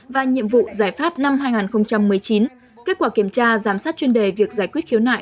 và nhiệm vụ giải pháp năm hai nghìn một mươi chín kết quả kiểm tra giám sát chuyên đề việc giải quyết khiếu nại